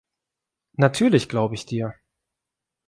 Natürlich glaube ich dir.